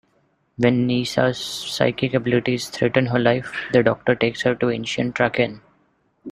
When Nyssa's psychic abilities threaten her life, the Doctor takes her to ancient Traken.